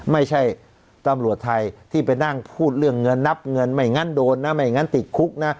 ไม่ใช่ตำรวจไทยที่ไปนั่งพูดเรื่องเงินนับเงินไม่งั้นโดนนะไม่งั้นติดคุกนะ